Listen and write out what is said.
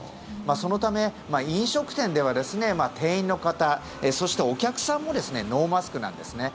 そのため、飲食店では店員の方そして、お客さんもノーマスクなんですね。